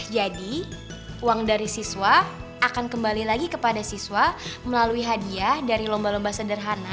jadi uang dari siswa akan kembali lagi kepada siswa melalui hadiah dari lomba lomba sederhana